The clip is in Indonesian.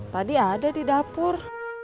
tadi ada di dapur